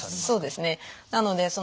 そうですね。